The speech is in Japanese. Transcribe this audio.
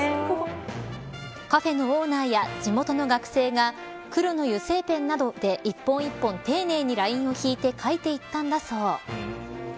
カフェのオーナーや地元の学生が黒の油性ペンなどで１本１本丁寧にラインを引いて書いていったんだそう。